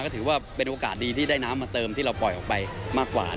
ก็ถือว่าเป็นโอกาสดีที่ได้น้ำมาเติมที่เราปล่อยออกไปมากกว่า